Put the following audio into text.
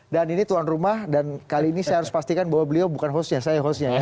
ini tuan rumah dan kali ini saya harus pastikan bahwa beliau bukan hostnya saya hostnya ya